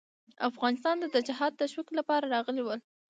افغانستان ته د جهاد تشویق لپاره راغلي ول.